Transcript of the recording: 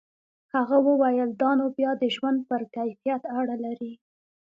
هغه وویل دا نو بیا د ژوند پر کیفیت اړه لري.